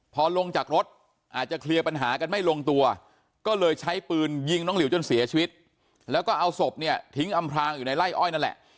พอลงจากรถอาจจะเคลียร์ปัญหากันไม่ลงตัวก็เลยใช้ปืนยิงน้องหลิวจนเสียชีวิตแล้วก็เอาศพเนี่ยทิ้งอำพลางอยู่ในไล่อ้อยนั่นแหละ